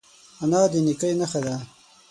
انا د نیکۍ نښه ده